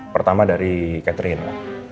pertama dari catherine